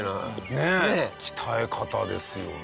ねえ鍛え方ですよね。